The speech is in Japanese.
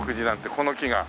この木が。